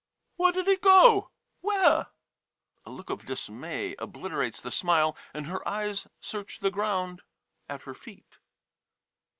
] Where did it go ? Where ? [A look of dismay obliterates the smile, and her eyes search the ground at her feet.